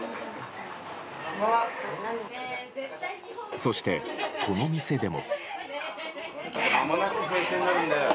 そして、この店でも。